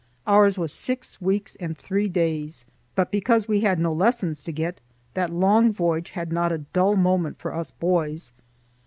Ours was six weeks and three days. But because we had no lessons to get, that long voyage had not a dull moment for us boys.